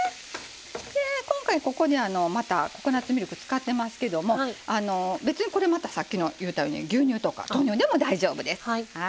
今回ここにまたココナツミルク使ってますけども別にこれまたさっき言うたように牛乳とか豆乳でも大丈夫です。